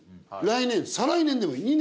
来年再来年でもいい。